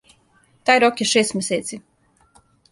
Тај рок је шест месеци.